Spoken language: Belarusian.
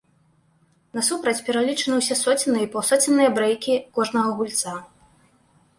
Насупраць пералічаны ўсе соценныя і паўсоценныя брэйкі кожнага гульца.